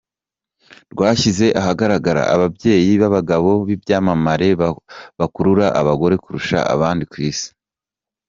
com rwashyize ahagaragara ababyeyi b’abagabo b’ibyamamare bakurura abagore kurusha abandi ku isi.